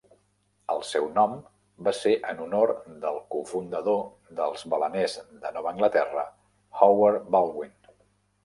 El seu nom va ser en honor del cofundador dels baleners de Nova Anglaterra, Howard Baldwin.